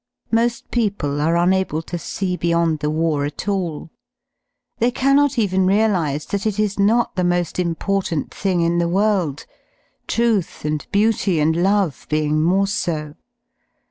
Mo^ people are unable to see beyond the war at all; they cannot even realise that it is not the mo^ important thing in the world. Truth and Beauty and Love being / more so.